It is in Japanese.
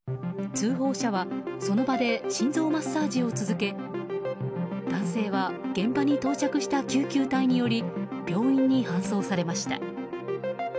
通報者はその場で心臓マッサージを続け男性は現場に到着した救急隊により病院に搬送されました。